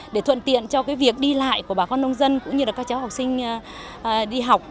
để thuận tiện cho việc đi lại của bà con nông dân cũng như là các cháu học sinh đi học